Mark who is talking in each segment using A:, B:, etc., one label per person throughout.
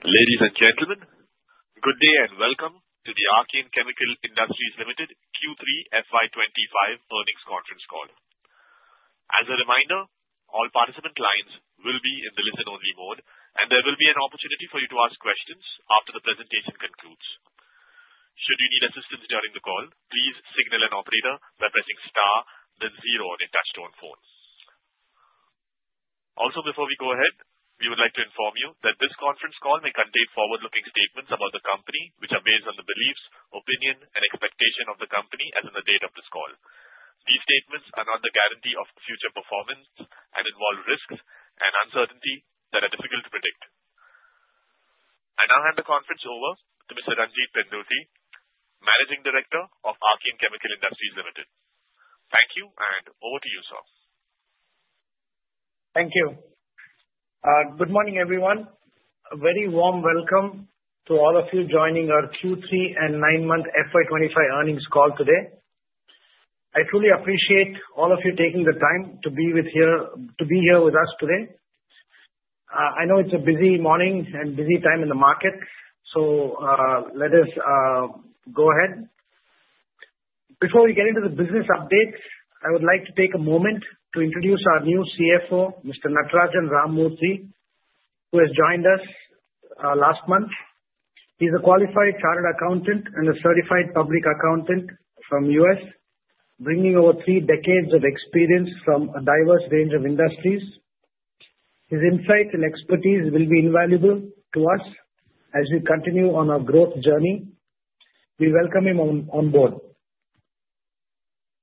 A: Ladies and gentlemen, good day and welcome to the Archean Chemical Industries Limited Q3 FY25 earnings conference call. As a reminder, all participant lines will be in the listen-only mode, and there will be an opportunity for you to ask questions after the presentation concludes. Should you need assistance during the call, please signal an operator by pressing star, then zero on a touch-tone phone. Also, before we go ahead, we would like to inform you that this conference call may contain forward-looking statements about the company, which are based on the beliefs, opinion, and expectation of the company as of the date of this call. These statements are not the guarantee of future performance and involve risks and uncertainty that are difficult to predict. I now hand the conference over to Mr. Ranjit Pendurthi, Managing Director of Archean Chemical Industries Limited. Thank you, and over to you, sir.
B: Thank you. Good morning, everyone. A very warm welcome to all of you joining our Q3 and nine-month FY25 earnings call today. I truly appreciate all of you taking the time to be here with us today. I know it's a busy morning and busy time in the market, so let us go ahead. Before we get into the business updates, I would like to take a moment to introduce our new CFO, Mr. Natarajan Ramamurthy, who has joined us last month. He's a qualified chartered accountant and a certified public accountant from the US, bringing over three decades of experience from a diverse range of industries. His insight and expertise will be invaluable to us as we continue on our growth journey. We welcome him on board.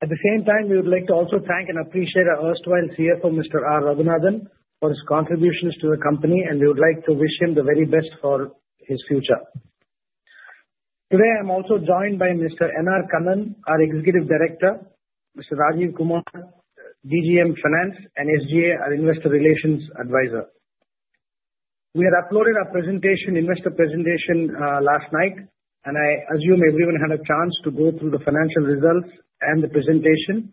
B: At the same time, we would like to also thank and appreciate our erstwhile CFO, Mr. Raghunathan, for his contributions to the company, and we would like to wish him the very best for his future. Today, I'm also joined by Mr. N. R. Kannan, our Executive Director, Mr. Rajeev Kumar, DGM Finance, and SGA, our Investor Relations Advisor. We had uploaded our investor presentation last night, and I assume everyone had a chance to go through the financial results and the presentation,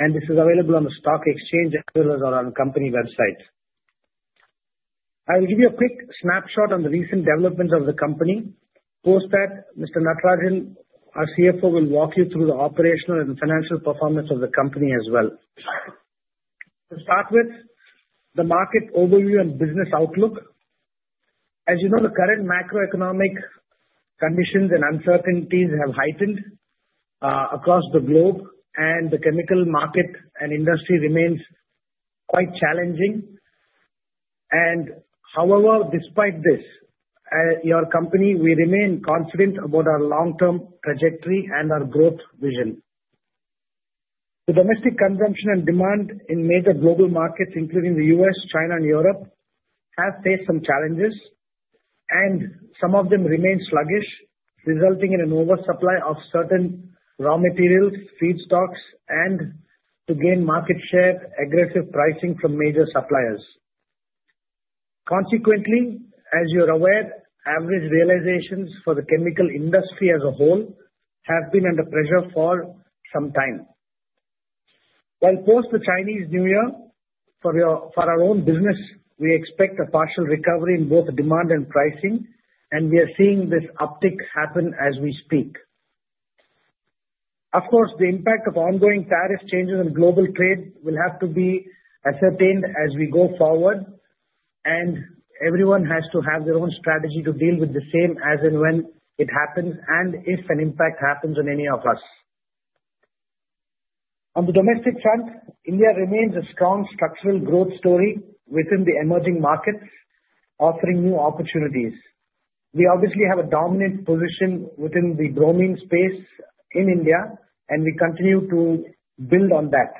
B: and this is available on the stock exchange as well as on our company website. I will give you a quick snapshot on the recent developments of the company. Post that, Mr. Natarajan, our CFO, will walk you through the operational and financial performance of the company as well. To start with, the market overview and business outlook. As you know, the current macroeconomic conditions and uncertainties have heightened across the globe, and the chemical market and industry remain quite challenging. However, despite this, your company, we remain confident about our long-term trajectory and our growth vision. The domestic consumption and demand in major global markets, including the U.S., China, and Europe, have faced some challenges, and some of them remain sluggish, resulting in an oversupply of certain raw materials, feedstocks, and, to gain market share, aggressive pricing from major suppliers. Consequently, as you're aware, average realizations for the chemical industry as a whole have been under pressure for some time. While post the Chinese New Year, for our own business, we expect a partial recovery in both demand and pricing, and we are seeing this uptick happen as we speak. Of course, the impact of ongoing tariff changes and global trade will have to be ascertained as we go forward, and everyone has to have their own strategy to deal with the same as and when it happens and if an impact happens on any of us. On the domestic front, India remains a strong structural growth story within the emerging markets, offering new opportunities. We obviously have a dominant position within the bromine space in India, and we continue to build on that.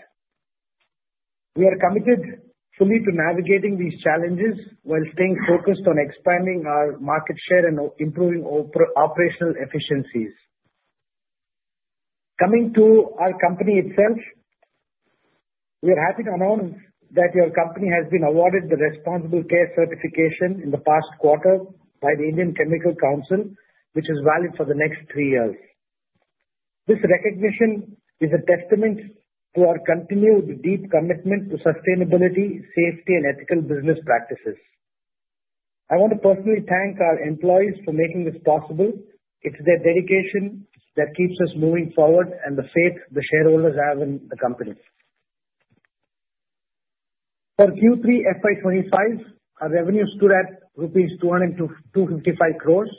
B: We are committed fully to navigating these challenges while staying focused on expanding our market share and improving operational efficiencies. Coming to our company itself, we are happy to announce that your company has been awarded the Responsible Care Certification in the past quarter by the Indian Chemical Council, which is valid for the next three years. This recognition is a testament to our continued deep commitment to sustainability, safety, and ethical business practices. I want to personally thank our employees for making this possible. It's their dedication that keeps us moving forward and the faith the shareholders have in the company. For Q3 FY25, our revenues stood at 255 crores.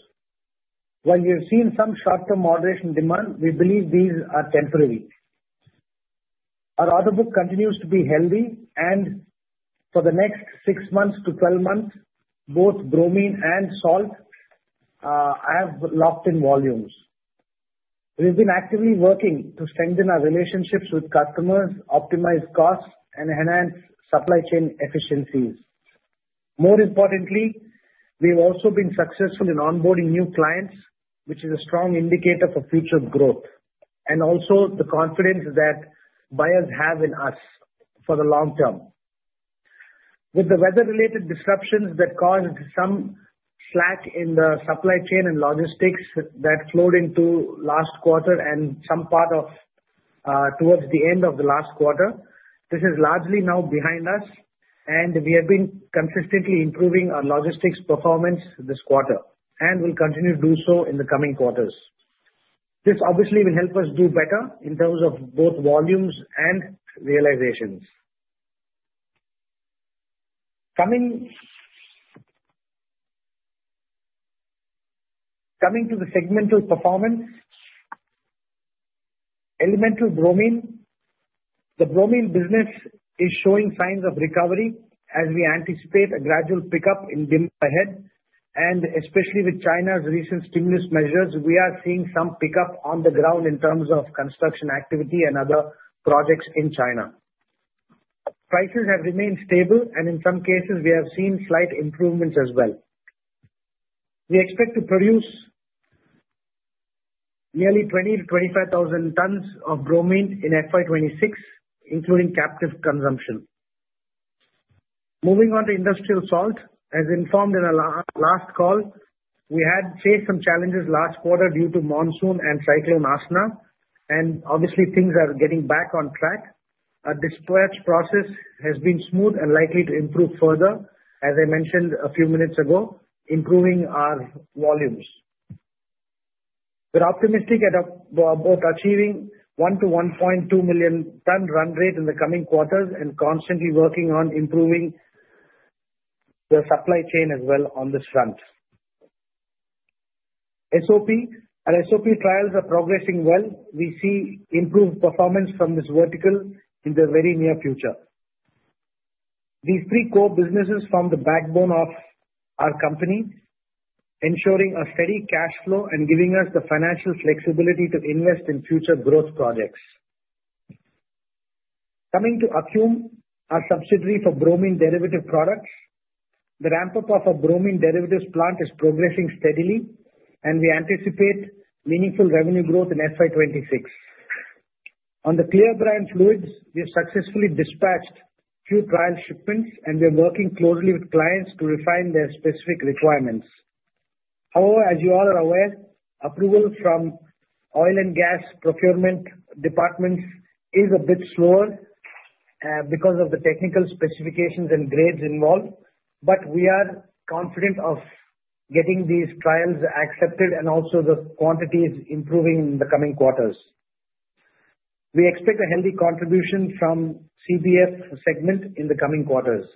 B: While we have seen some short-term moderation demand, we believe these are temporary. Our order book continues to be healthy, and for the next six months to 12 months, both bromine and salt have locked-in volumes. We have been actively working to strengthen our relationships with customers, optimize costs, and enhance supply chain efficiencies. More importantly, we have also been successful in onboarding new clients, which is a strong indicator for future growth and also the confidence that buyers have in us for the long term. With the weather-related disruptions that caused some slack in the supply chain and logistics that flowed into last quarter and some part of towards the end of the last quarter, this is largely now behind us, and we have been consistently improving our logistics performance this quarter and will continue to do so in the coming quarters. This obviously will help us do better in terms of both volumes and realizations. Coming to the segmental performance, elemental bromine, the bromine business is showing signs of recovery as we anticipate a gradual pickup in demand ahead, and especially with China's recent stimulus measures, we are seeing some pickup on the ground in terms of construction activity and other projects in China. Prices have remained stable, and in some cases, we have seen slight improvements as well. We expect to produce nearly 20-25,000 tons of bromine in FY26, including captive consumption. Moving on to industrial salt, as informed in our last call, we had faced some challenges last quarter due to monsoon and cyclone Asna, and obviously, things are getting back on track. Our dispatch process has been smooth and likely to improve further, as I mentioned a few minutes ago, improving our volumes. We're optimistic about achieving 1-1.2 million-ton run rate in the coming quarters and constantly working on improving the supply chain as well on this front. Our SOP trials are progressing well. We see improved performance from this vertical in the very near future. These three core businesses form the backbone of our company, ensuring a steady cash flow and giving us the financial flexibility to invest in future growth projects. Coming to Acume, our subsidiary for bromine derivative products, the ramp-up of our bromine derivatives plant is progressing steadily, and we anticipate meaningful revenue growth in FY26. On the Clear Brine Fluids, we have successfully dispatched two trial shipments, and we are working closely with clients to refine their specific requirements. However, as you all are aware, approval from oil and gas procurement departments is a bit slower because of the technical specifications and grades involved, but we are confident of getting these trials accepted and also the quantities improving in the coming quarters. We expect a healthy contribution from CBF segment in the coming quarters.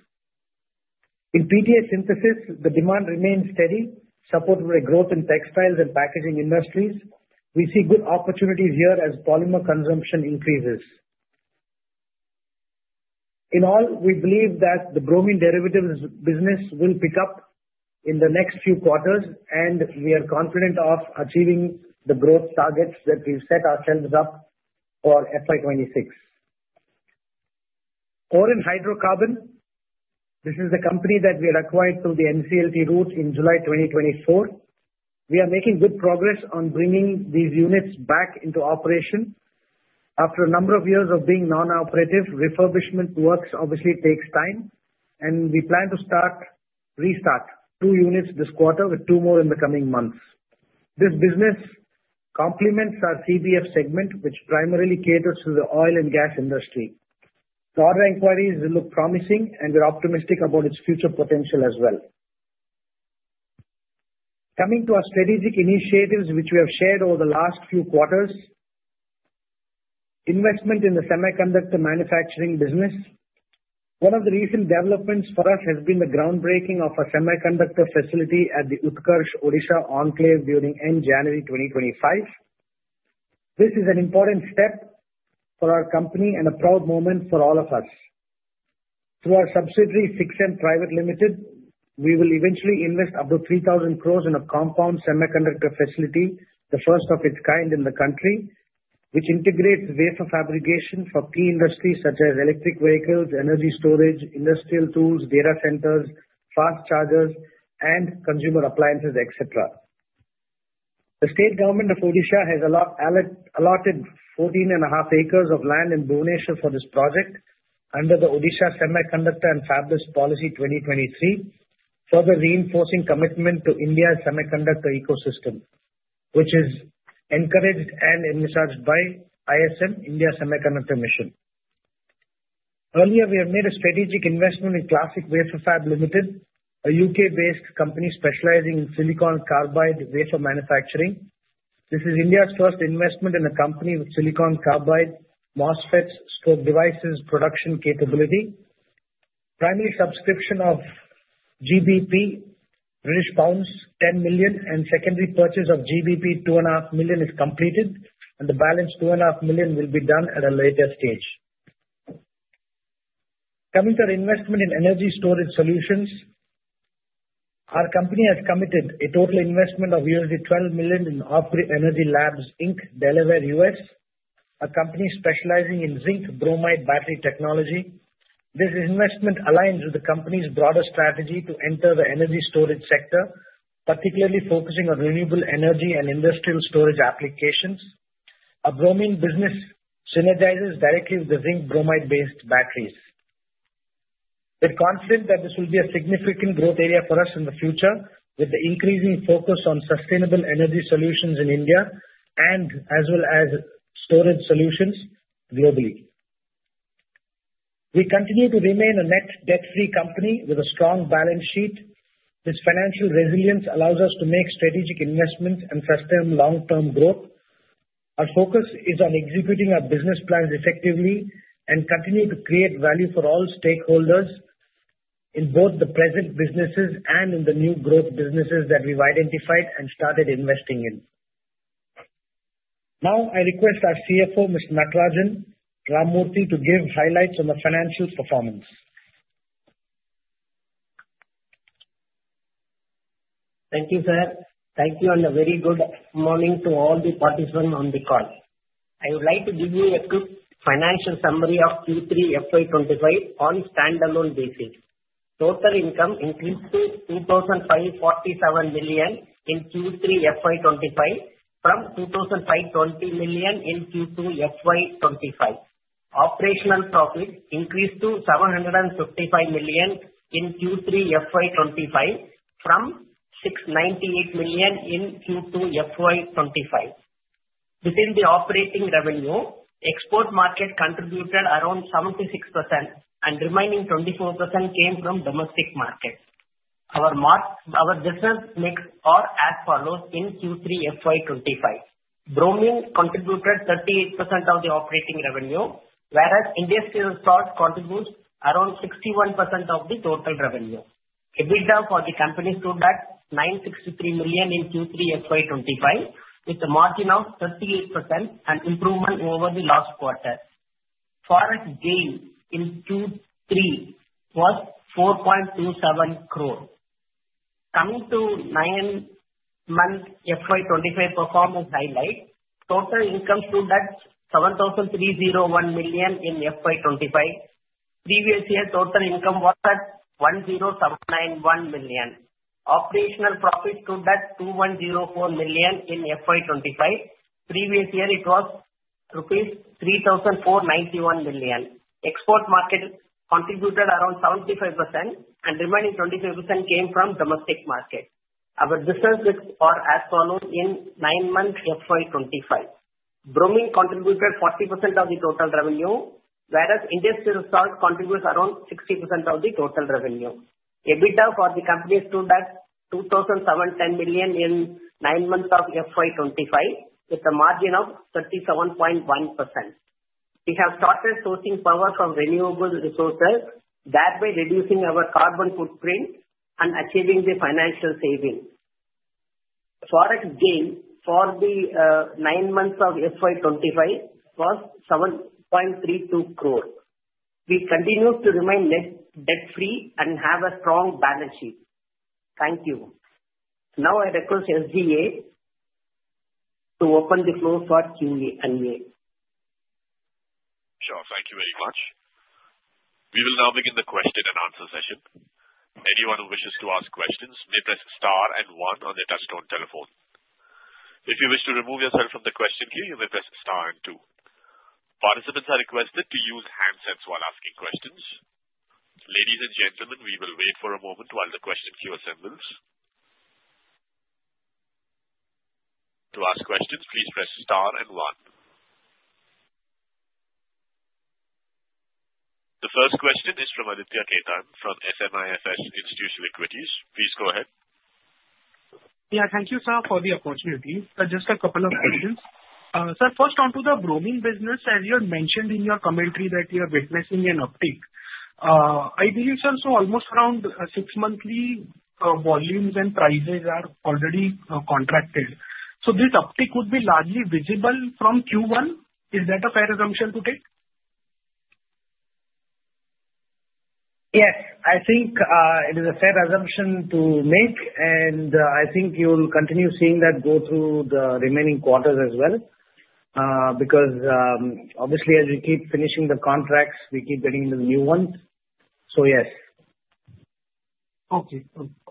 B: In PTA synthesis, the demand remains steady, supported by growth in textiles and packaging industries. We see good opportunities here as polymer consumption increases. In all, we believe that the bromine derivatives business will pick up in the next few quarters, and we are confident of achieving the growth targets that we've set ourselves up for FY26. Oren Hydrocarbons, this is the company that we had acquired through the NCLT route in July 2024. We are making good progress on bringing these units back into operation. After a number of years of being non-operative, refurbishment works obviously take time, and we plan to restart two units this quarter with two more in the coming months. This business complements our CBF segment, which primarily caters to the oil and gas industry. The order inquiries look promising, and we're optimistic about its future potential as well. Coming to our strategic initiatives, which we have shared over the last few quarters, investment in the semiconductor manufacturing business. One of the recent developments for us has been the groundbreaking of a semiconductor facility at the Utkarsh Odisha Conclave during end January 2025. This is an important step for our company and a proud moment for all of us. Through our subsidiary, Sixthent Energy Private Limited, we will eventually invest up to 3,000 crores in a compound semiconductor facility, the first of its kind in the country, which integrates wafer fabrication for key industries such as electric vehicles, energy storage, industrial tools, data centers, fast chargers, and consumer appliances, etc. The state government of Odisha has allotted 14 and a half acres of land in Bhubaneswar for this project under the Odisha Semiconductor and Fabless Policy 2023, further reinforcing commitment to India's semiconductor ecosystem, which is encouraged and envisaged by ISM, India Semiconductor Mission. Earlier, we have made a strategic investment in Clas-SiC Wafer Fab Limited, a U.K.-based company specializing in silicon carbide wafer manufacturing. This is India's first investment in a company with silicon carbide MOSFETs/devices production capability. Primary subscription of British pounds 10 million, and secondary purchase of GBP 2.5 million, is completed, and the balance, 2.5 million, will be done at a later stage. Coming to our investment in energy storage solutions, our company has committed a total investment of $12 million in Offgrid Energy Labs, Inc., Delaware, U.S., a company specializing in zinc bromide battery technology. This investment aligns with the company's broader strategy to enter the energy storage sector, particularly focusing on renewable energy and industrial storage applications. Our bromine business synergizes directly with the zinc bromide-based batteries. We're confident that this will be a significant growth area for us in the future, with the increasing focus on sustainable energy solutions in India and as well as storage solutions globally. We continue to remain a net debt-free company with a strong balance sheet. This financial resilience allows us to make strategic investments and sustain long-term growth. Our focus is on executing our business plans effectively and continuing to create value for all stakeholders in both the present businesses and in the new growth businesses that we've identified and started investing in. Now, I request our CFO, Mr. Natarajan Ramamurthy, to give highlights on the financial performance.
C: Thank you, sir. Thank you, and a very good morning to all the participants on the call. I would like to give you a quick financial summary of Q3 FY25 on standalone basis. Total income increased to 2,547 million in Q3 FY25 from 2,520 million in Q2 FY25. Operational profit increased to 755 million in Q3 FY25 from 698 million in Q2 FY25. Within the operating revenue, export market contributed around 76%, and remaining 24% came from domestic market. Our business mix is as follows in Q3 FY25. Bromine contributed 38% of the operating revenue, whereas industrial salt contributes around 61% of the total revenue. EBITDA for the company stood at INR 963 million in Q3 FY25, with a margin of 38% and improvement over the last quarter. Forex gain in Q3 was INR 4.27 crore. Coming to nine-month FY25 performance highlight, total income stood at INR 7,301 million in FY25. Previous year, total income was at INR 10,791 million. Operational profit stood at INR 2,104 million in FY25. Previous year, it was INR 3,491 million. Export market contributed around 75%, and remaining 25% came from domestic market. Our business metrics are as follows for nine-month FY25. Bromine contributed 40% of the total revenue, whereas industrial salt contributes around 60% of the total revenue. EBITDA for the company stood at INR 2,710 million in nine months of FY25, with a margin of 37.1%. We have started sourcing power from renewable resources, thereby reducing our carbon footprint and achieving the financial savings. Forex gain for the nine months of FY25 was 7.32 crore. We continue to remain debt-free and have a strong balance sheet. Thank you. Now, I request SGA to open the floor for Q&A.
A: Sure. Thank you very much. We will now begin the question and answer session. Anyone who wishes to ask questions may press star and one on the touchtone telephone. If you wish to remove yourself from the question queue, you may press star and two. Participants are requested to use handsets while asking questions. Ladies and gentlemen, we will wait for a moment while the question queue assembles. To ask questions, please press star and one. The first question is from Aditya Khetan from SMIFS Institutional Equities. Please go ahead.
D: Yeah, thank you, sir, for the opportunity. Just a couple of questions. Sir, first onto the bromine business, as you had mentioned in your commentary that you are witnessing an uptick. I believe, sir, so almost around six-monthly volumes and prices are already contracted. So this uptick would be largely visible from Q1. Is that a fair assumption to take?
B: Yes, I think it is a fair assumption to make, and I think you'll continue seeing that go through the remaining quarters as well because, obviously, as we keep finishing the contracts, we keep getting into the new ones. So yes.
D: Okay.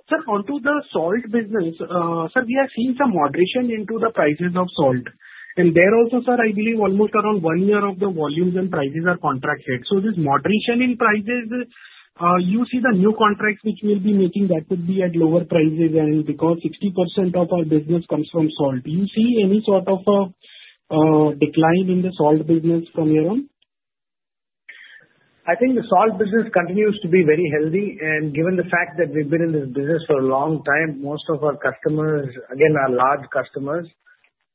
D: Sir, onto the salt business. Sir, we are seeing some moderation into the prices of salt. And there also, sir, I believe almost around one year of the volumes and prices are contracted. So this moderation in prices, you see the new contracts which we'll be making, that would be at lower prices because 60% of our business comes from salt. Do you see any sort of a decline in the salt business from here on?
B: I think the salt business continues to be very healthy, and given the fact that we've been in this business for a long time, most of our customers, again, are large customers.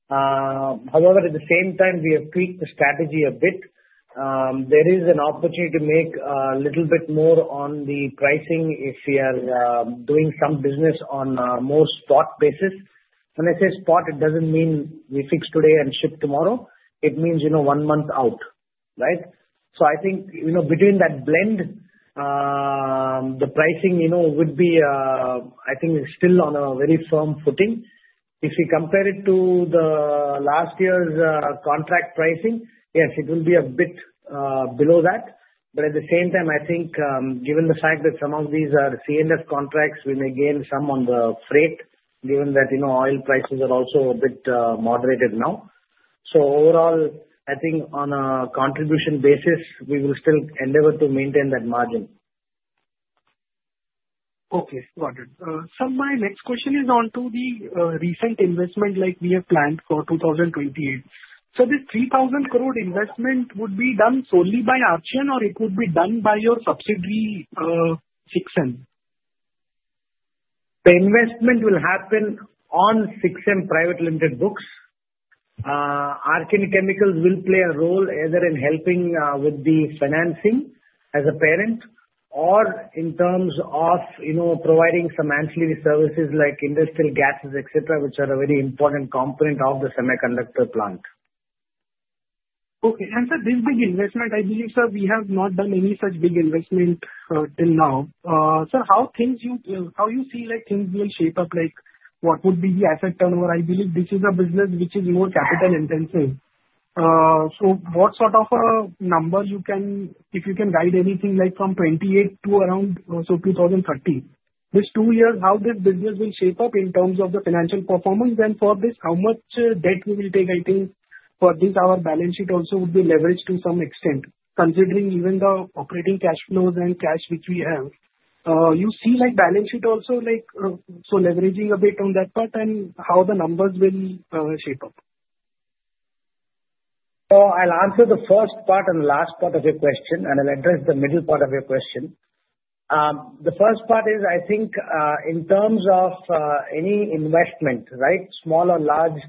B: However, at the same time, we have tweaked the strategy a bit. There is an opportunity to make a little bit more on the pricing if we are doing some business on a more spot basis. When I say spot, it doesn't mean we fix today and ship tomorrow. It means one month out, right? So I think between that blend, the pricing would be, I think, still on a very firm footing. If we compare it to last year's contract pricing, yes, it will be a bit below that. But at the same time, I think, given the fact that some of these are C&F contracts, we may gain some on the freight, given that oil prices are also a bit moderated now. So overall, I think on a contribution basis, we will still endeavor to maintain that margin.
D: Okay. Got it. Sir, my next question is onto the recent investment like we have planned for 2028. So this ₹3,000 crore investment would be done solely by Archean, or it would be done by your subsidiary, Sixthent?
B: The investment will happen on Sixthent Energy Private Limited books. Archean Chemicals will play a role either in helping with the financing as a parent or in terms of providing some ancillary services like industrial gases, etc., which are a very important component of the semiconductor plant.
D: Okay. And sir, this big investment, I believe, sir, we have not done any such big investment till now. Sir, how do you see things will shape up? What would be the asset turnover? I believe this is a business which is more capital-intensive. So what sort of a number, if you can guide anything, from 2028 to around 2030? This two years, how this business will shape up in terms of the financial performance? And for this, how much debt we will take, I think, for this? Our balance sheet also would be leveraged to some extent, considering even the operating cash flows and cash which we have. You see balance sheet also leveraging a bit on that part and how the numbers will shape up?
B: So I'll answer the first part and the last part of your question, and I'll address the middle part of your question. The first part is, I think, in terms of any investment, right, small or large,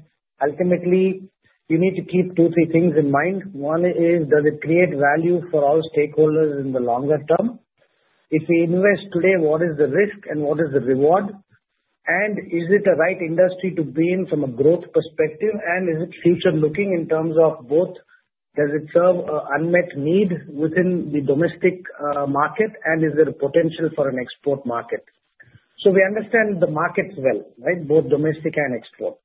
B: ultimately, you need to keep two or three things in mind. One is, does it create value for all stakeholders in the longer term? If we invest today, what is the risk and what is the reward? And is it the right industry to be in from a growth perspective? And is it future-looking in terms of both? Does it serve an unmet need within the domestic market? Is there a potential for an export market? We understand the markets well, right, both domestic and export.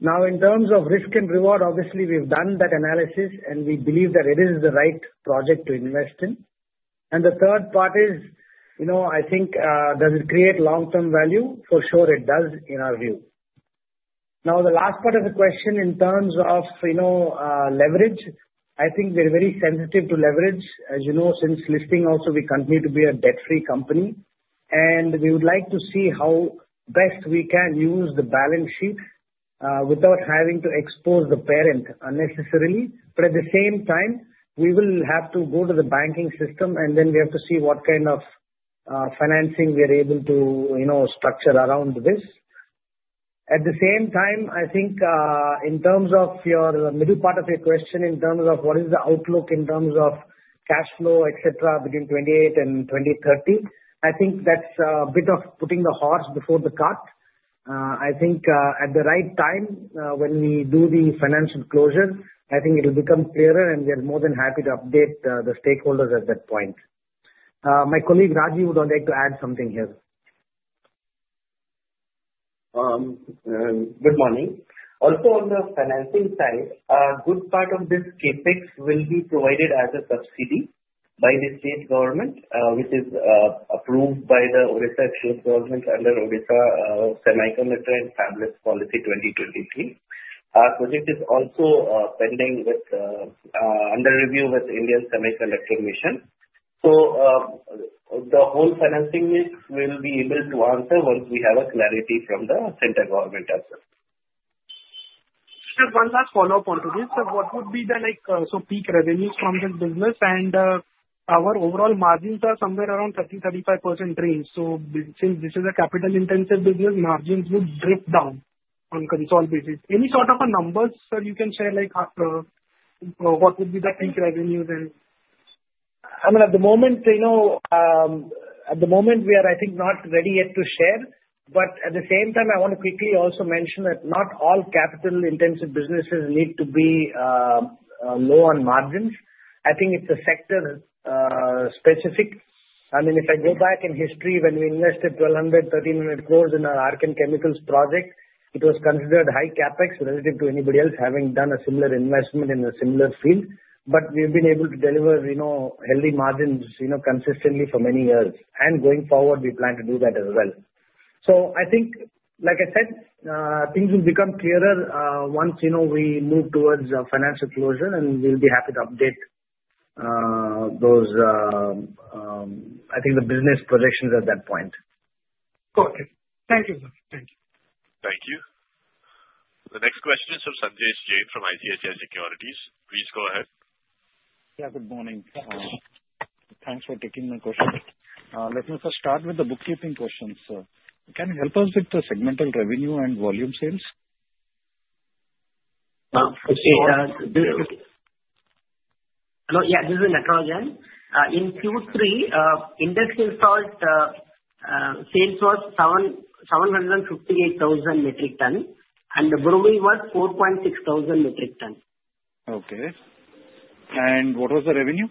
B: Now, in terms of risk and reward, obviously, we've done that analysis, and we believe that it is the right project to invest in. The third part is, I think, does it create long-term value? For sure, it does in our view. Now, the last part of the question in terms of leverage, I think we're very sensitive to leverage. As you know, since listing, also, we continue to be a debt-free company. We would like to see how best we can use the balance sheet without having to expose the parent unnecessarily. At the same time, we will have to go to the banking system, and then we have to see what kind of financing we are able to structure around this. At the same time, I think in terms of your middle part of your question, in terms of what is the outlook in terms of cash flow, etc., between 2028 and 2030, I think that's a bit of putting the horse before the cart. I think at the right time, when we do the financial closure, I think it will become clearer, and we are more than happy to update the stakeholders at that point. My colleague Raji would like to add something here.
E: Good morning. Also, on the financing side, a good part of this CAPEX will be provided as a subsidy by the state government, which is approved by the Odisha government under Odisha Semiconductor and Fabless Policy 2023. Our project is also pending under review with the Indian Semiconductor Mission. So the whole financing will be able to answer once we have clarity from the central government as well.
D: Sir, one last follow-up point on this. Sir, what would be the peak revenues from this business? And our overall margins are somewhere around 30%-35% range. So since this is a capital-intensive business, margins would drift down on consolidation. Any sort of numbers, sir, you can share? What would be the peak revenues?
E: I mean, at the moment, we are, I think, not ready yet to share. But at the same time, I want to quickly also mention that not all capital-intensive businesses need to be low on margins. I think it's a sector-specific. I mean, if I go back in history, when we invested 1,200, 1,300 crores in our Archean Chemicals project, it was considered high CAPEX relative to anybody else having done a similar investment in a similar field. But we've been able to deliver healthy margins consistently for many years. And going forward, we plan to do that as well. So I think, like I said, things will become clearer once we move towards financial closure, and we'll be happy to update those, I think, the business projections at that point.
D: Got it. Thank you, sir.
B: Thank you.
A: Thank you. The next question is from Sanjay Jain from ICICI Securities. Please go ahead.
F: Yeah, good morning. Thanks for taking my question. Let me first start with the bookkeeping questions, sir. Can you help us with the segmental revenue and volume sales?
C: Yeah, this is Natarajan again. In Q3, industrial sales was 758,000 metric ton, and the bromine was 46,000 metric ton.
F: Okay. And what was the revenue?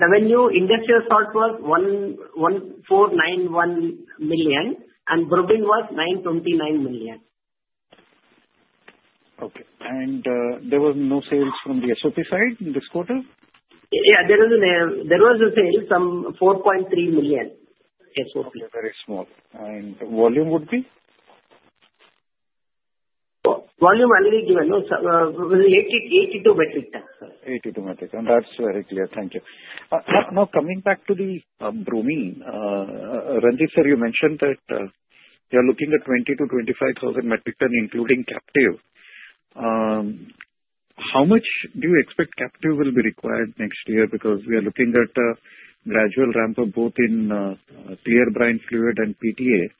C: Industrial salt was 1,491 million, and bromine was 929 million.
F: Okay. And there were no sales from the SOP side in this quarter?
C: Yeah, there was a sale, some 4.3 million. SOP.
F: Very small. And volume would be?
C: Volume already given. It was 82 metric tons. 82 metric tons.
F: That's very clear. Thank you. Now, coming back to the bromine, Ranjit sir, you mentioned that you are looking at 20,000-25,000 metric ton, including captive. How much do you expect captive will be required next year? Because we are looking at a gradual ramp up both in Clear Brine Fluid and PTA.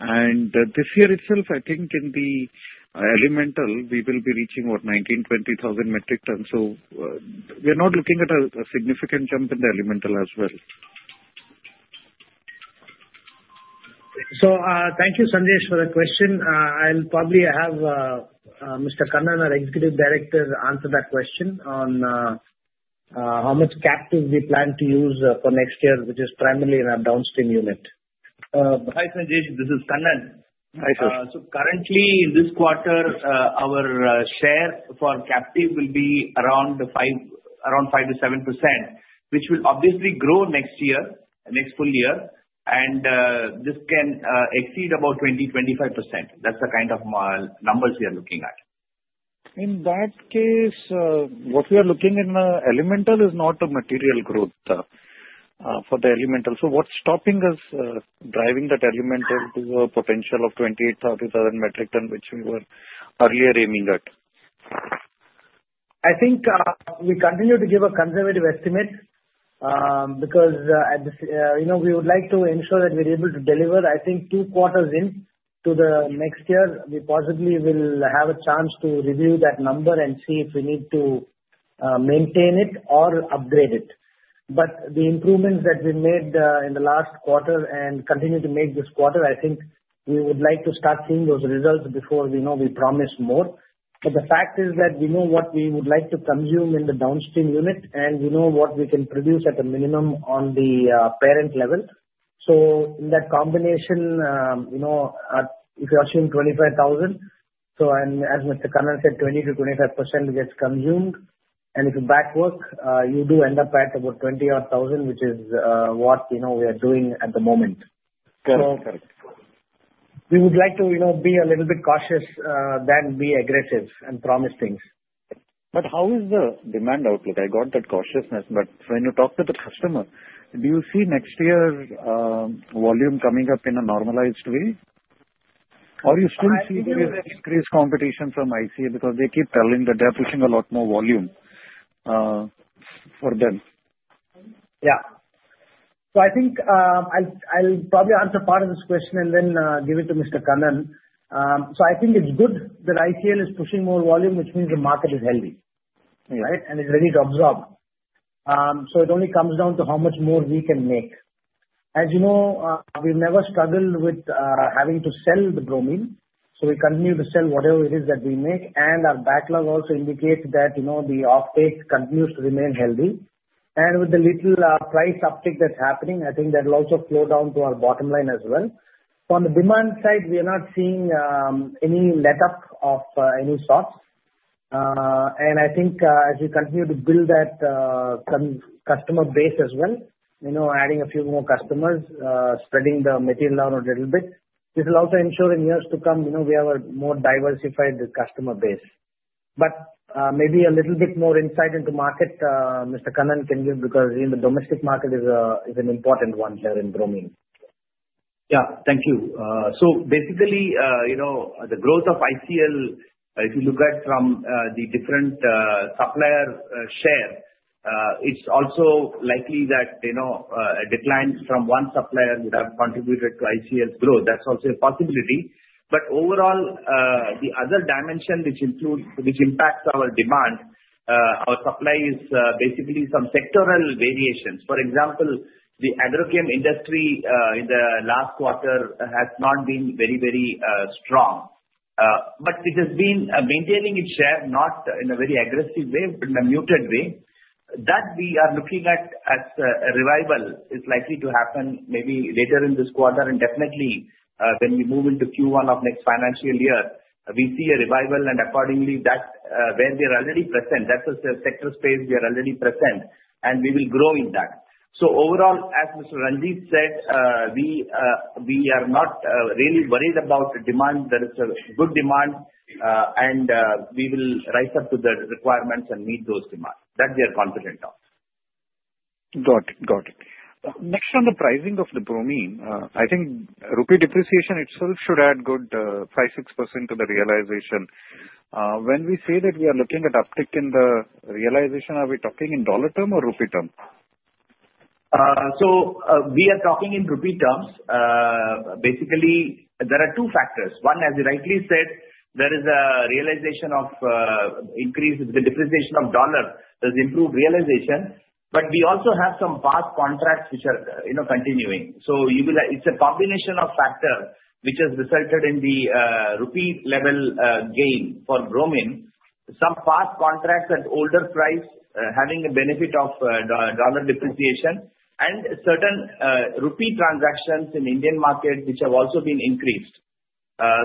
F: And this year itself, I think in the elemental, we will be reaching about 19,000-20,000 metric tons. So we're not looking at a significant jump in the elemental as well.
B: So thank you, Sanjay, for the question. I'll probably have Mr. Kannan, our Executive Director, answer that question on how much captive we plan to use for next year, which is primarily in our downstream unit.
G: Hi, Sanjay. This is Kannan. Hi, sir. So currently, in this quarter, our share for captive will be around 5-7%, which will obviously grow next year, next full year. And this can exceed about 20-25%. That's the kind of numbers we are looking at.
F: In that case, what we are looking in elemental is not a material growth for the elemental. So what's stopping us driving that elemental to a potential of 28,000-30,000 metric ton, which we were earlier aiming at?
C: I think we continue to give a conservative estimate because we would like to ensure that we're able to deliver, I think, two quarters into the next year. We possibly will have a chance to review that number and see if we need to maintain it or upgrade it. But the improvements that we made in the last quarter and continue to make this quarter, I think we would like to start seeing those results before we promise more. But the fact is that we know what we would like to consume in the downstream unit, and we know what we can produce at a minimum on the parent level. So in that combination, if you're assuming 25,000, and as Mr. Kannan said, 20%-25% gets consumed, and if you back work, you do end up at about 20,000, which is what we are doing at the moment. So we would like to be a little bit cautious than be aggressive and promise things.
F: But how is the demand outlook? I got that cautiousness. But when you talk to the customer, do you see next year's volume coming up in a normalized way? Or you still see there's increased competition from ICL because they keep telling that they are pushing a lot more volume for them?
C: Yeah. So I think I'll probably answer part of this question and then give it to Mr. Kannan. So I think it's good that ICL is pushing more volume, which means the market is healthy, right, and is ready to absorb. So it only comes down to how much more we can make. As you know, we've never struggled with having to sell the bromine. So we continue to sell whatever it is that we make. Our backlog also indicates that the offtake continues to remain healthy. And with the little price uptick that's happening, I think that will also flow down to our bottom line as well. On the demand side, we are not seeing any let-up of any sort. And I think as we continue to build that customer base as well, adding a few more customers, spreading the material out a little bit, this will also ensure in years to come we have a more diversified customer base. But maybe a little bit more insight into market, Mr. Kannan can give because the domestic market is an important one here in bromine.
G: Yeah. Thank you. So basically, the growth of ICL, if you look at it from the different supplier share, it's also likely that a decline from one supplier would have contributed to ICL's growth. That's also a possibility. But overall, the other dimension which impacts our demand, our supply, is basically some sectoral variations. For example, the agrochem industry in the last quarter has not been very, very strong. But it has been maintaining its share, not in a very aggressive way, but in a muted way. That we are looking at as a revival is likely to happen maybe later in this quarter. And definitely, when we move into Q1 of next financial year, we see a revival. And accordingly, where we are already present, that's a sector space we are already present, and we will grow in that. So overall, as Mr. Ranjit said, we are not really worried about the demand. There is good demand, and we will rise up to the requirements and meet those demands. That we are confident of.
F: Got it. Got it. Next on the pricing of the bromine, I think rupee depreciation itself should add good 5-6% to the realization. When we say that we are looking at uptick in the realization, are we talking in dollar term or rupee term?
G: So we are talking in rupee terms. Basically, there are two factors. One, as you rightly said, there is a realization of increase in the depreciation of dollar. There's improved realization. But we also have some past contracts which are continuing. So it's a combination of factors which has resulted in the rupee level gain for bromine. Some past contracts at older price having a benefit of dollar depreciation and certain rupee transactions in the Indian market which have also been increased.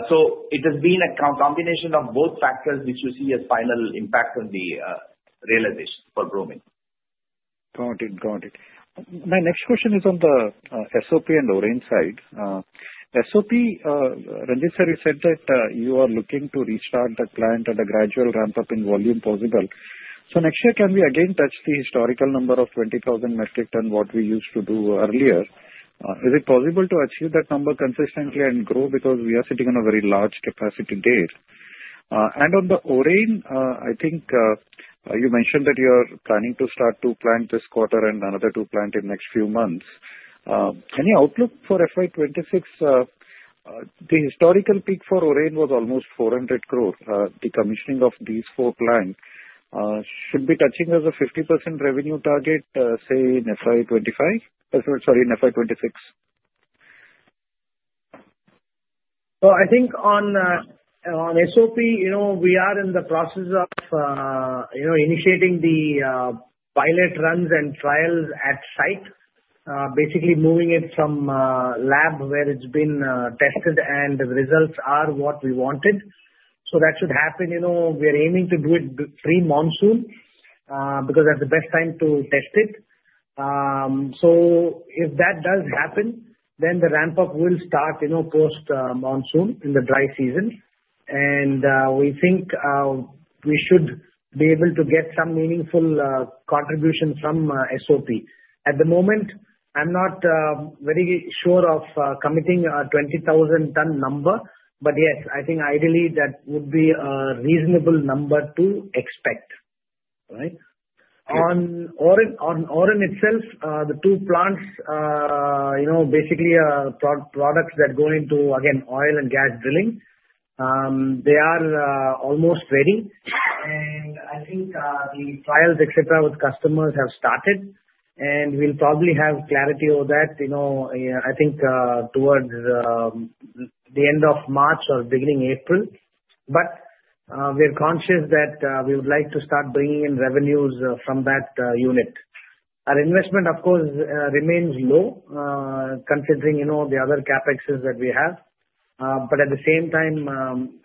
G: So it has been a combination of both factors which you see as final impact on the realization for bromine.
F: Got it. Got it. My next question is on the SOP and Oren side. SOP, Ranjit sir, you said that you are looking to restart the plant at a gradual ramp up in volume possible. So next year, can we again touch the historical number of 20,000 metric ton what we used to do earlier? Is it possible to achieve that number consistently and grow because we are sitting on a very large capacity there? And on the Oren, I think you mentioned that you are planning to start two plants this quarter and another two plants in the next few months. Any outlook for FY26? The historical peak for Oren was almost 400 crore. The commissioning of these four plants should be touching as a 50% revenue target, say, in FY25? Sorry, in FY26?
B: I think on SOP, we are in the process of initiating the pilot runs and trials at site, basically moving it from lab where it's been tested and the results are what we wanted, so that should happen. We are aiming to do it pre-monsoon because that's the best time to test it. If that does happen, then the ramp up will start post-monsoon in the dry season. We think we should be able to get some meaningful contribution from SOP. At the moment, I'm not very sure of committing a 20,000-ton number. But yes, I think ideally that would be a reasonable number to expect. Right? On Oren itself, the two plants, basically products that go into, again, oil and gas drilling, they are almost ready. I think the trials, etc., with customers have started. And we'll probably have clarity over that, I think, towards the end of March or beginning April. But we are conscious that we would like to start bringing in revenues from that unit. Our investment, of course, remains low considering the other CapExes that we have. But at the same time,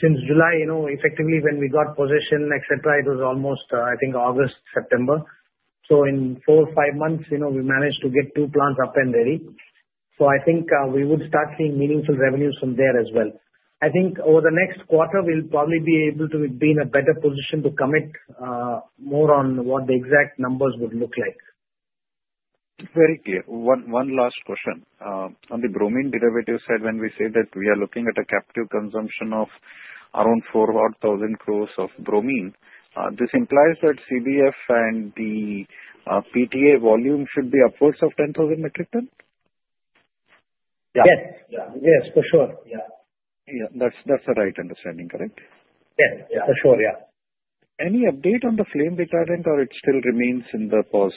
B: since July, effectively, when we got possession, etc., it was almost, I think, August, September. So in four, five months, we managed to get two plants up and ready. So I think we would start seeing meaningful revenues from there as well. I think over the next quarter, we'll probably be able to be in a better position to commit more on what the exact numbers would look like.
F: Very clear. One last question. On the bromine derivative side, when we say that we are looking at a captive consumption of around 4,000 crores of bromine, this implies that CBF and the PTA volume should be upwards of 10,000 metric tons?
B: Yes. Yes. For sure. Yeah. Yeah.
F: That's the right understanding, correct?
B: Yes. For sure. Yeah.
F: Any update on the flame retardant, or it still remains in the pause?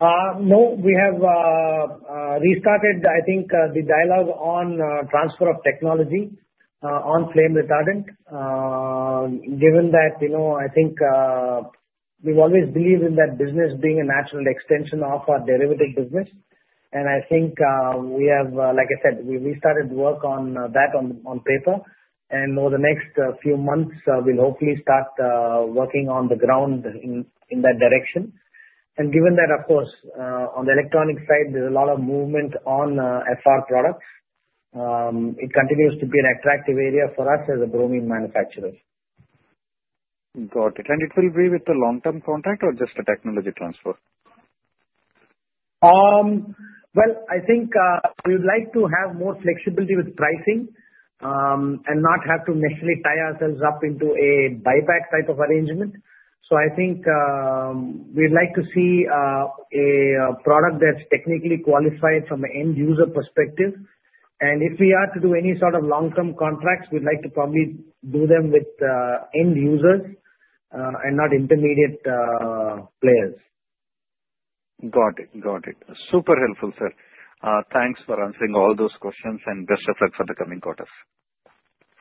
B: No. We have restarted, I think, the dialogue on transfer of technology on flame retardant, given that I think we've always believed in that business being a natural extension of our derivative business. And I think we have, like I said, we started work on that on paper. And over the next few months, we'll hopefully start working on the ground in that direction. And given that, of course, on the electronic side, there's a lot of movement on FR products. It continues to be an attractive area for us as a bromine manufacturer.
F: Got it. And it will be with the long-term contract or just a technology transfer?
B: Well, I think we would like to have more flexibility with pricing and not have to initially tie ourselves up into a buyback type of arrangement. So I think we'd like to see a product that's technically qualified from an end user perspective. And if we are to do any sort of long-term contracts, we'd like to probably do them with end users and not intermediate players.
F: Got it. Got it. Super helpful, sir. Thanks for answering all those questions and best of luck for the coming quarters.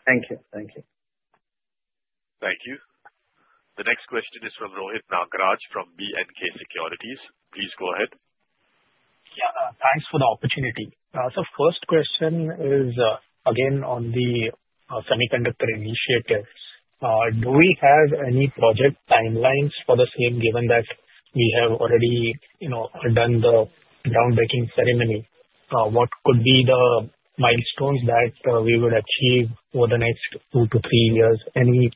B: Thank you. Thank you.
A: Thank you. The next question is from Rohit Nagraj from B&K Securities. Please go ahead.
H: Yeah. Thanks for the opportunity. So first question is, again, on the semiconductor initiatives. Do we have any project timelines for the same, given that we have already done the groundbreaking ceremony? What could be the milestones that we would achieve over the next two to three years? Any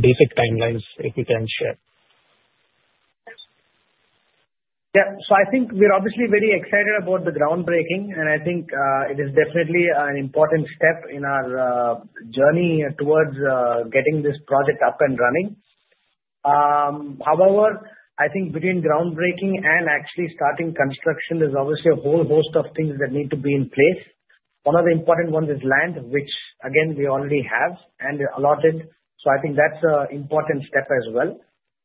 H: basic timelines if you can share?
B: Yeah. So I think we're obviously very excited about the groundbreaking. And I think it is definitely an important step in our journey towards getting this project up and running. However, I think between groundbreaking and actually starting construction, there's obviously a whole host of things that need to be in place. One of the important ones is land, which, again, we already have and allotted. So I think that's an important step as well.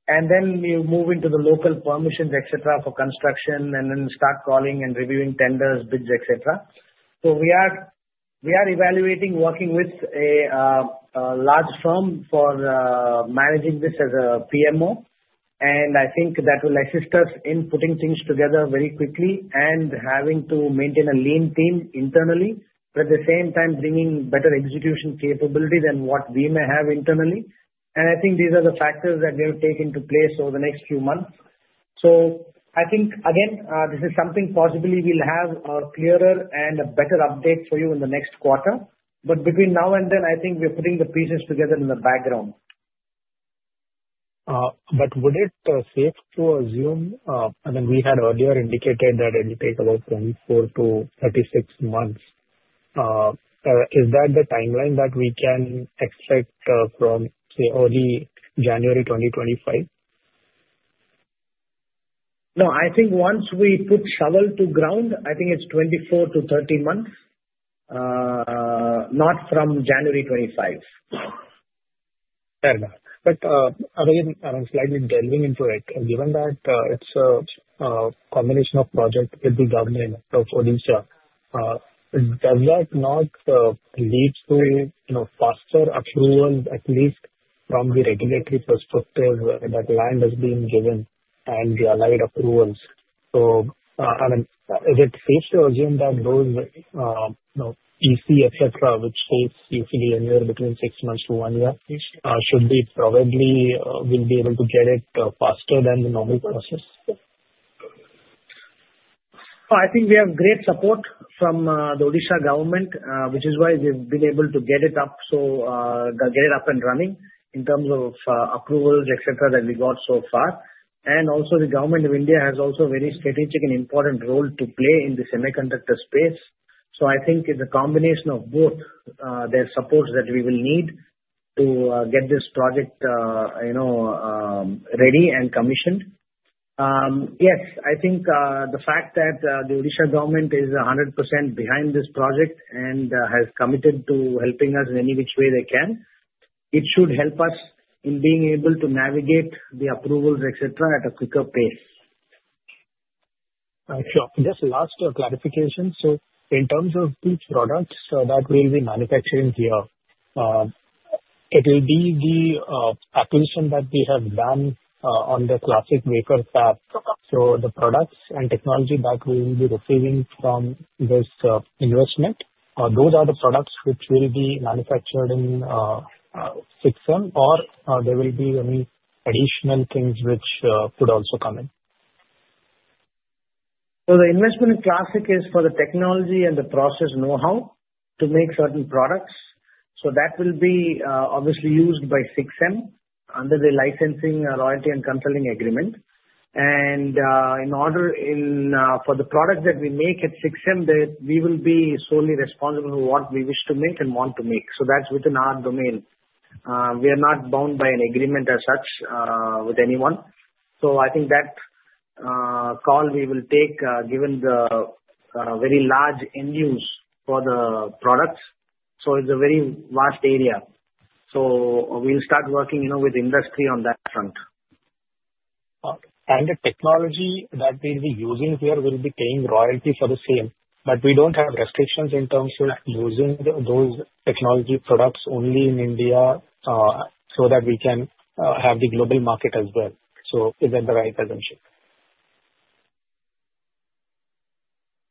B: And then you move into the local permissions, etc., for construction and then start calling and reviewing tenders, bids, etc. So we are evaluating working with a large firm for managing this as a PMO. And I think that will assist us in putting things together very quickly and having to maintain a lean team internally, but at the same time, bringing better execution capability than what we may have internally. And I think these are the factors that we have taken into place over the next few months. So I think, again, this is something possibly we'll have a clearer and a better update for you in the next quarter. But between now and then, I think we're putting the pieces together in the background.
H: But would it be safe to assume? I mean, we had earlier indicated that it will take about 24-36 months. Is that the timeline that we can expect from, say, early January 2025?
B: No. I think once we put shovel to ground, I think it's 24-30 months, not from January 2025.
H: Fair enough. But again, I'm slightly delving into it. Given that it's a combination of project with the government of Odisha, does that not lead to faster approvals, at least from the regulatory perspective, that land has been given and the allied approvals? So I mean, is it safe to assume that those EC, etc., which takes usually anywhere between six months to one year, should we probably be able to get it faster than the normal process?
B: I think we have great support from the Odisha government, which is why we've been able to get it up, so get it up and running in terms of approvals, etc., that we got so far. And also, the government of India has also a very strategic and important role to play in the semiconductor space. So I think it's a combination of both their supports that we will need to get this project ready and commissioned. Yes, I think the fact that the Odisha government is 100% behind this project and has committed to helping us in any which way they can. It should help us in being able to navigate the approvals, etc., at a quicker pace.
H: Sure. Just last clarification. So in terms of these products that we'll be manufacturing here, it will be the acquisition that we have done on the Clas-SiC Wafer Fab. So the products and technology that we will be receiving from this investment, those are the products which will be manufactured in Sixthent, or there will be any additional things which could also come in?
B: The investment in Clas-SiC is for the technology and the process know-how to make certain products. That will be obviously used by Sixthent under the licensing, royalty, and consulting agreement. In order for the product that we make at Sixthent, we will be solely responsible for what we wish to make and want to make. That's within our domain. We are not bound by an agreement as such with anyone. I think that call we will take given the very large end use for the products. It's a very vast area. We'll start working with industry on that front.
H: The technology that we'll be using here will be paying royalty for the same. We don't have restrictions in terms of using those technology products only in India so that we can have the global market as well. So is that the right assumption?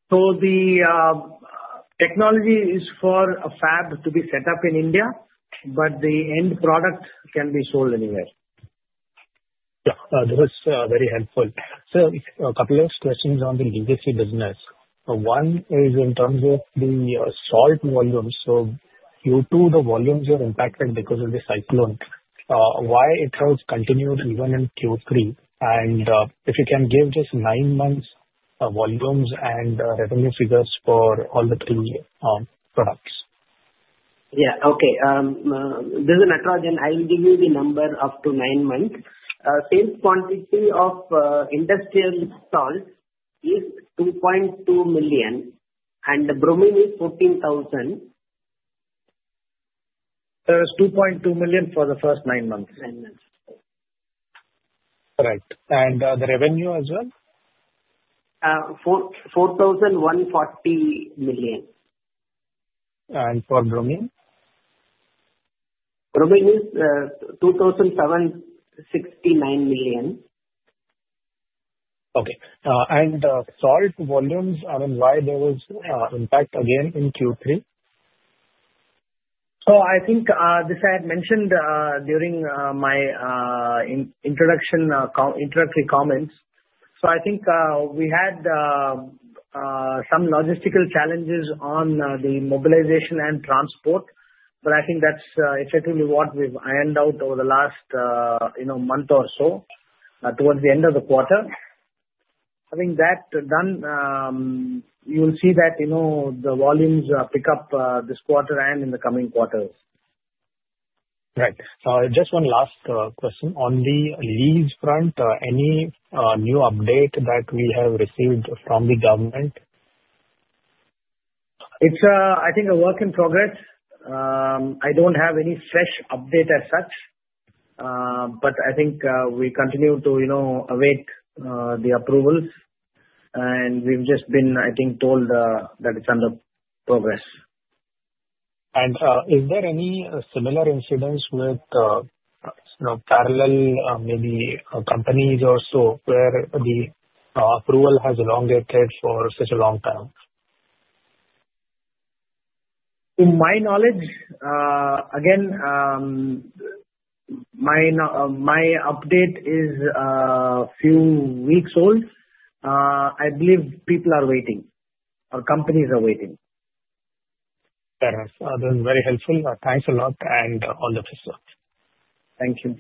B: So the technology is for a fab to be set up in India, but the end product can be sold anywhere.
H: Yeah. That was very helpful. So a couple of questions on the legacy business. One is in terms of the salt volumes. So Q2, the volumes were impacted because of the cyclone. Why it has continued even in Q3? And if you can give just nine months volumes and revenue figures for all the three products.
C: Yeah. Okay. This is Natarajan. I will give you the number up to nine months. Same quantity of industrial salt is 2.2 million. And the bromine is 14,000.
H: There is 2.2 million for the first nine months.
C: Nine months.
H: Correct. And the revenue as well?
C: 4,140 million.
H: And for bromine?
B: Bromine is INR 2,769 million.
H: Okay. And salt volumes, I mean, why there was impact again in Q3?
B: So I think this I had mentioned during my introductory comments. So I think we had some logistical challenges on the mobilization and transport. But I think that's effectively what we've ironed out over the last month or so, towards the end of the quarter. Having that done, you'll see that the volumes pick up this quarter and in the coming quarters.
H: Right. Just one last question. On the lease front, any new update that we have received from the government?
C: It's, I think, a work in progress. I don't have any fresh update as such. But I think we continue to await the approvals. And we've just been, I think, told that it's under progress.
H: And is there any similar incidents with parallel maybe companies or so where the approval has elongated for such a long time?
C: To my knowledge, again, my update is a few weeks old. I believe people are waiting or companies are waiting.
H: Fair enough. That was very helpful. Thanks a lot. And all the best. Thank you.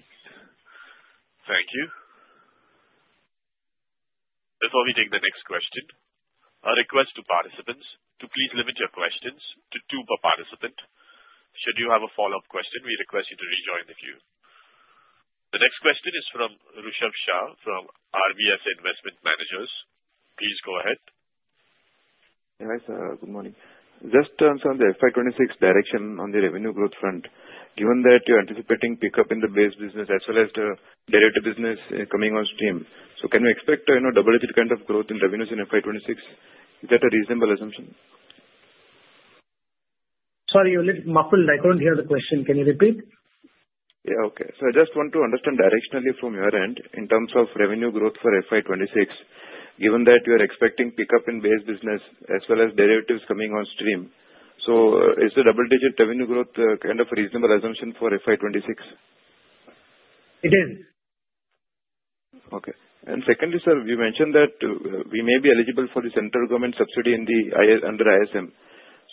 A: Thank you. Before we take the next question, a request to participants to please limit your questions to two per participant. Should you have a follow-up question, we request you to rejoin the queue. The next question is from Rishabh Shah from RW Investment Managers. Please go ahead.
I: Hey, Rishabh. Good morning. Just to answer on the FY26 direction on the revenue growth front, given that you're anticipating pickup in the base business as well as the derivative business coming on stream, so can we expect a double-edged kind of growth in revenues in FY26? Is that a reasonable assumption?
B: Sorry, you're a little muffled. I couldn't hear the question. Can you repeat? Yeah. Okay. So I just want to understand directionally from your end in terms of revenue growth for FY26, given that you're expecting pickup in base business as well as derivatives coming on stream. So is the double-edged revenue growth kind of a reasonable assumption for FY26?
J: It is.
I: Okay. And secondly, sir, you mentioned that we may be eligible for the central government subsidy under ISM.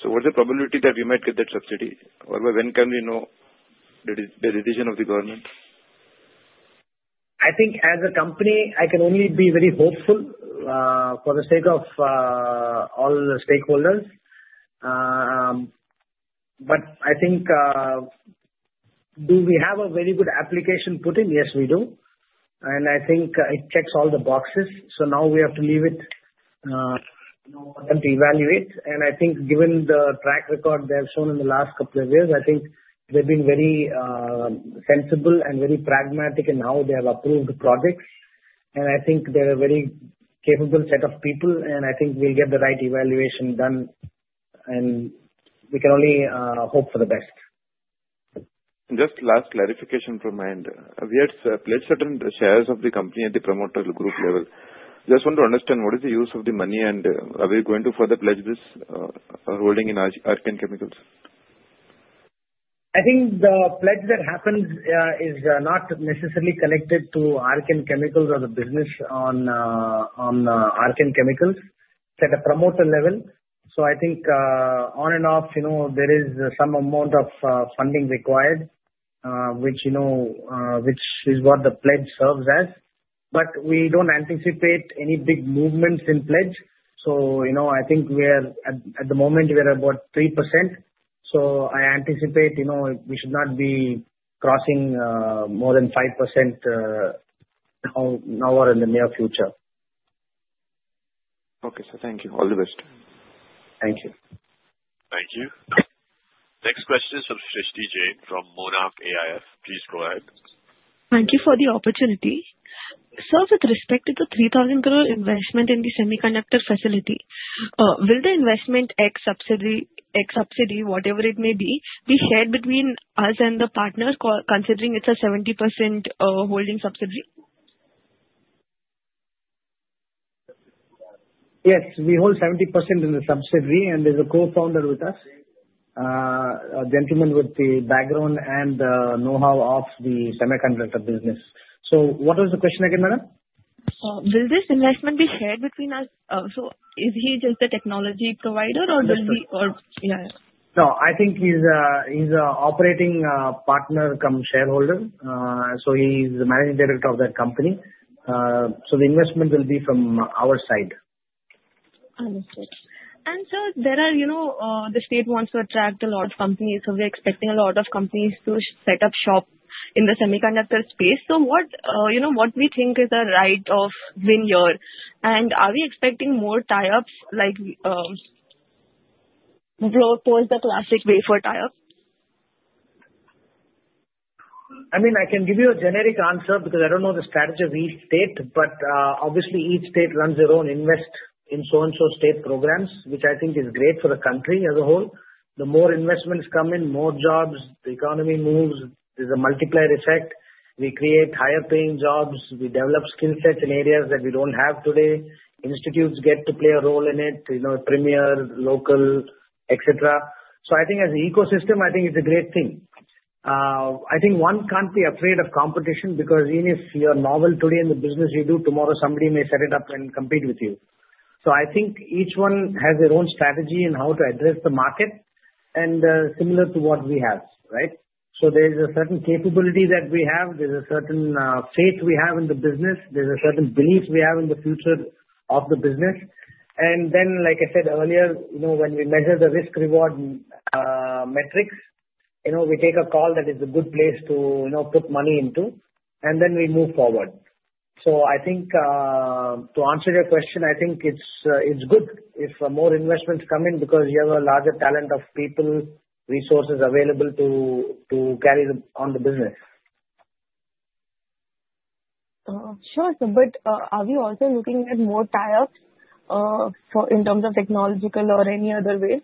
I: So what's the probability that we might get that subsidy? Or when can we know the decision of the government?
B: I think as a company, I can only be very hopeful for the sake of all the stakeholders. But I think do we have a very good application put in? Yes, we do. And I think it checks all the boxes. So now we have to leave it to evaluate. I think given the track record they have shown in the last couple of years, I think they've been very sensible and very pragmatic in how they have approved the projects. I think they're a very capable set of people. I think we'll get the right evaluation done. We can only hope for the best.
I: Just last clarification from my end. We had pledged certain shares of the company at the promoter group level. Just want to understand what is the use of the money and are we going to further pledge this holding in Archean Chemicals?
B: I think the pledge that happens is not necessarily connected to Archean Chemicals or the business on Archean Chemicals at a promoter level. I think on and off, there is some amount of funding required, which is what the pledge serves as. But we don't anticipate any big movements in pledge. So I think at the moment, we're about 3%. So I anticipate we should not be crossing more than 5% now or in the near future.
I: Okay. So thank you. All the best.
B: Thank you.
A: Thank you. Next question is from Srishti Jain from Monarch AIF. Please go ahead.
K: Thank you for the opportunity. Sir, with respect to the 3,000 crore investment in the semiconductor facility, will the investment ex subsidy, whatever it may be, be shared between us and the partner considering it's a 70% holding subsidy?
B: Yes. We hold 70% in the subsidy. And there's a co-founder with us, a gentleman with the background and the know-how of the semiconductor business. So what was the question again, madam?
K: Will this investment be shared between us? So is he just the technology provider, or will he?
B: Yeah. No. I think he's an operating partner from shareholder. So he's the managing director of that company. So the investment will be from our side.
K: Understood, and sir, the state wants to attract a lot of companies. So we're expecting a lot of companies to set up shop in the semiconductor space. So what we think is the right to win here. And are we expecting more tie-ups like post the Clas-SiC Wafer tie-up?
B: I mean, I can give you a generic answer because I don't know the strategy of each state. But obviously, each state runs their own invest in so-and-so state programs, which I think is great for the country as a whole. The more investments come in, more jobs, the economy moves. There's a multiplier effect. We create higher-paying jobs. We develop skill sets in areas that we don't have today. Institutes get to play a role in it, premier, local, etc. So I think as an ecosystem, I think it's a great thing. I think one can't be afraid of competition because even if you're novel today in the business you do, tomorrow somebody may set it up and compete with you. So I think each one has their own strategy in how to address the market and similar to what we have, right? So there's a certain capability that we have. There's a certain faith we have in the business. There's a certain belief we have in the future of the business. And then, like I said earlier, when we measure the risk-reward metrics, we take a call that is a good place to put money into. And then we move forward. So I think to answer your question, I think it's good if more investments come in because you have a larger talent of people, resources available to carry on the business.
K: Sure. But are we also looking at more tie-ups in terms of technological or any other way?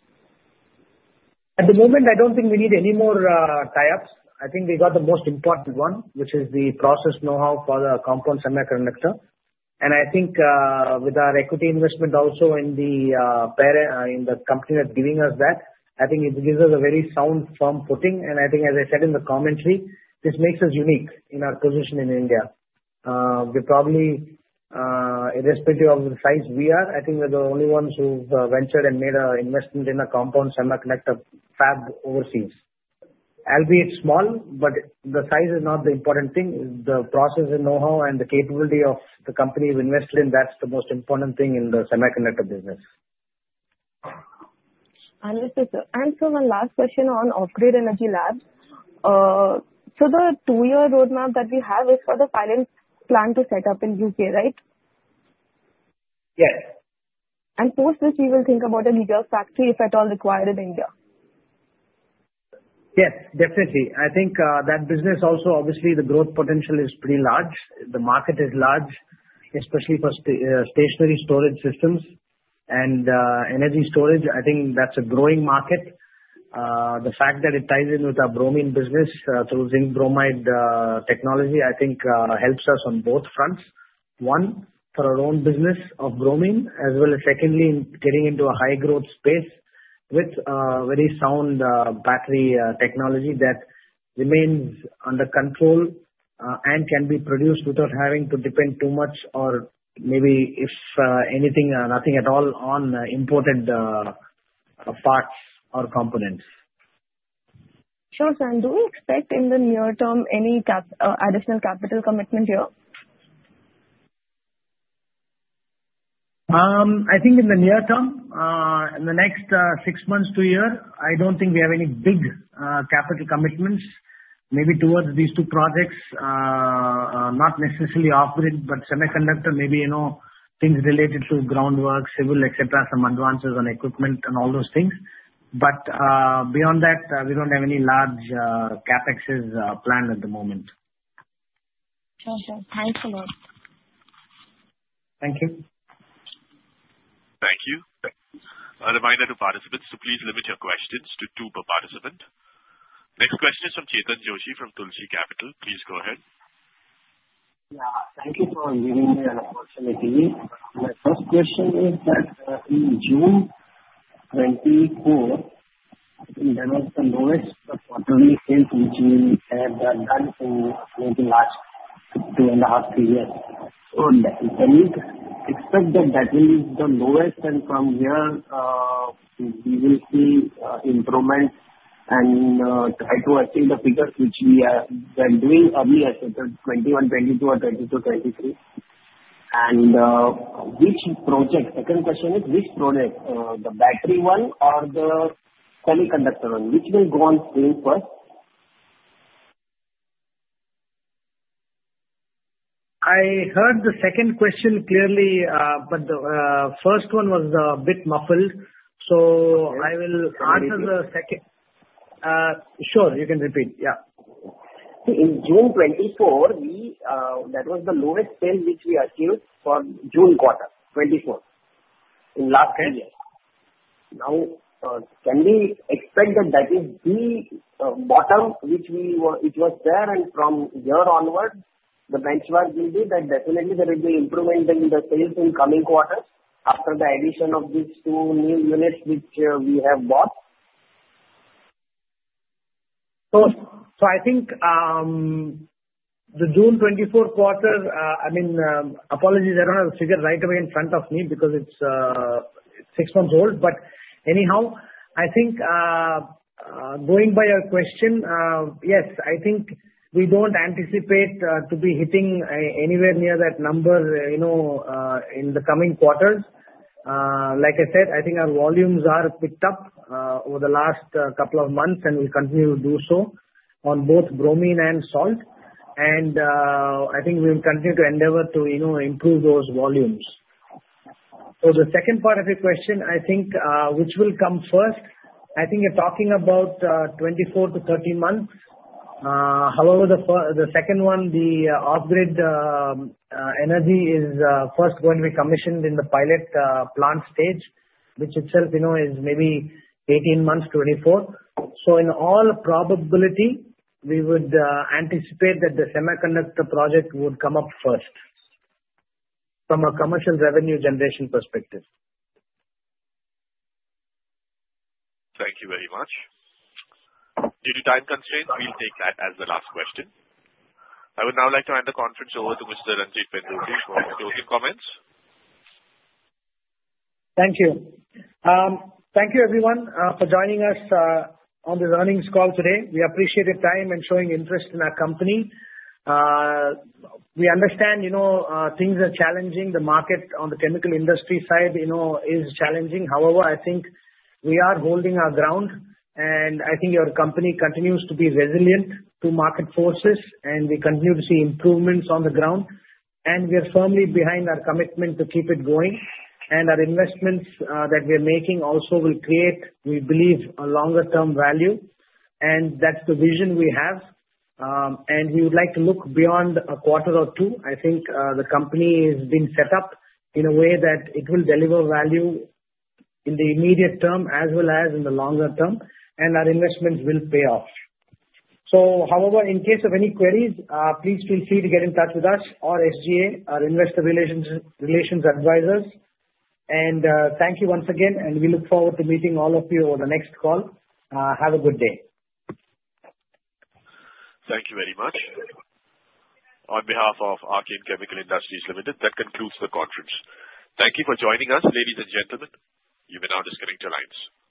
B: At the moment, I don't think we need any more tie-ups. I think we got the most important one, which is the process know-how for the compound semiconductor. And I think with our equity investment also in the company that's giving us that, I think it gives us a very sound firm footing. And I think, as I said in the commentary, this makes us unique in our position in India. We probably, irrespective of the size we are, I think we're the only ones who've ventured and made an investment in a compound semiconductor fab overseas. Albeit small, but the size is not the important thing. The process and know-how and the capability of the company we've invested in, that's the most important thing in the semiconductor business.
K: Understood. And so one last question on Offgrid Energy Labs. So the two-year roadmap that we have is for the fab plan to set up in the UK, right?
B: Yes.
K: And post this, we will think about a local factory if at all required in India.
B: Yes. Definitely. I think that business also, obviously, the growth potential is pretty large. The market is large, especially for stationary storage systems and energy storage. I think that's a growing market. The fact that it ties in with our bromine business through zinc bromide technology, I think helps us on both fronts. One, for our own business of bromine, as well as secondly, getting into a high-growth space with very sound battery technology that remains under control and can be produced without having to depend too much or maybe if anything, nothing at all on imported parts or components.
K: Sure. So do we expect in the near term any additional capital commitment here?
B: I think in the near term, in the next six months to a year, I don't think we have any big capital commitments. Maybe towards these two projects, not necessarily Offgrid, but semiconductor, maybe things related to groundwork, civil, etc., some advances on equipment and all those things. But beyond that, we don't have any large CAPEX plan at the moment.
K: Okay. Thanks a lot.
B: Thank you.
A: Thank you. A reminder to participants to please limit your questions to two per participant. Next question is from Chetan Doshi from Tulsi Capital. Please go ahead.
L: Yeah. Thank you for giving me an opportunity. My first question is that in June 2024, I think that was the lowest quarterly sales which we have done in the last two and a half, three years. So expect that that will be the lowest. And from here, we will see improvement and try to achieve the figures which we are doing early as 2021, 2022, or 2022, 2023. And which project? Second question is which project, the battery one or the semiconductor one? Which will go on stream first?
B: I heard the second question clearly, but the first one was a bit muffled. So I will answer the second. Sure. You can repeat. Yeah.
L: So in June 2024, that was the lowest sales which we achieved for June quarter, 2024, in the last two years. Now, can we expect that that is the bottom which it was there? And from here onward, the benchmark will be that definitely there will be improvement in the sales in coming quarters after the addition of these two new units which we have bought?
B: So I think the June 2024 quarter I mean, apologies, I don't have the figure right away in front of me because it's six months old. But anyhow, I think going by your question, yes, I think we don't anticipate to be hitting anywhere near that number in the coming quarters. Like I said, I think our volumes are picked up over the last couple of months and will continue to do so on both bromine and salt. And I think we will continue to endeavor to improve those volumes. So the second part of your question, I think which will come first, I think you're talking about 24-30 months. However, the second one, the Offgrid Energy is first going to be commissioned in the pilot plant stage, which itself is maybe 18-24 months. So in all probability, we would anticipate that the semiconductor project would come up first from a commercial revenue generation perspective.
A: Thank you very much. Due to time constraints, we'll take that as the last question. I would now like to hand the conference over to Mr. Ranjit Pendurthi for his closing comments.
B: Thank you. Thank you, everyone, for joining us on this earnings call today. We appreciate your time and showing interest in our company. We understand things are challenging. The market on the chemical industry side is challenging. However, I think we are holding our ground. I think your company continues to be resilient to market forces. We continue to see improvements on the ground. We are firmly behind our commitment to keep it going. Our investments that we are making also will create, we believe, a longer-term value. That's the vision we have. We would like to look beyond a quarter or two. I think the company has been set up in a way that it will deliver value in the immediate term as well as in the longer term. Our investments will pay off. So however, in case of any queries, please feel free to get in touch with us or SGA, our investor relations advisors. Thank you once again. We look forward to meeting all of you over the next call. Have a good day.
A: Thank you very much. On behalf of Archean Chemical Industries Limited, that concludes the conference. Thank you for joining us, ladies and gentlemen. You may now disconnect your lines.